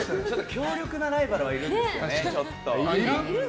強力なライバルはいるんですけどね。